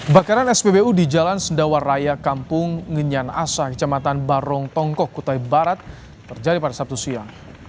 bakaran spbu di jalan sendawar raya kampung ngenyan asa kecamatan barong tongkoh kutai barat terjadi pada sabtu siang